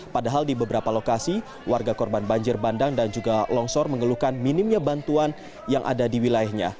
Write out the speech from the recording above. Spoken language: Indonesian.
padahal di beberapa lokasi warga korban banjir bandang dan juga longsor mengeluhkan minimnya bantuan yang ada di wilayahnya